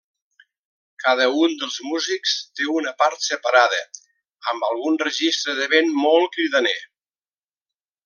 Cada un dels músics té una part separada, amb algun registre de vent molt cridaner.